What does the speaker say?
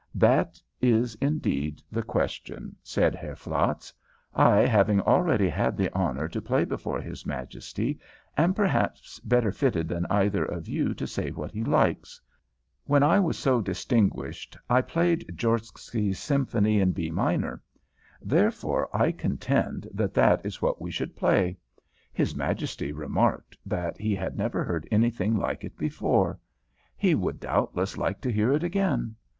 "That is indeed the question," said Herr Flatz. "I, having already had the honor to play before his Majesty, am perhaps better fitted than either of you to say what he likes. When I was so distinguished I played Djorski's Symphony in B Minor. Therefore I contend that that is what we should play. His Majesty remarked that he had never heard anything like it before. He would doubtless like to hear it again.